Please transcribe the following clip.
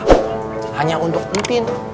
hanya untuk entin